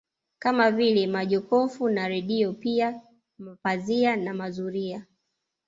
Kama vile majokofu na redio pia mapazia na mazulia